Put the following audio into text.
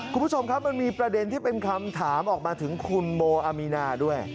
คุณผู้ชมครับมันมีประเด็นที่เป็นคำถามออกมาถึงคุณโมอามีนาด้วย